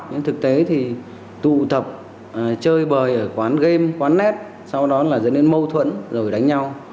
nhưng thực tế thì tụ tập chơi bời ở quán game quán net sau đó là dẫn đến mâu thuẫn rồi đánh nhau